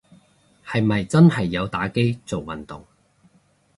係咪真係有打機做運動